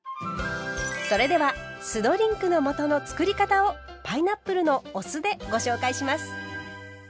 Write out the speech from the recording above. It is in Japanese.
それでは酢ドリンクの素のつくり方をパイナップルのお酢でご紹介します。